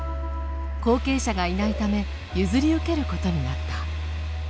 後継者がいないため譲り受けることになった。